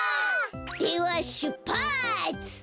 ではしゅっぱつ！